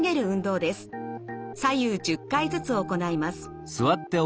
左右１０回ずつ行います。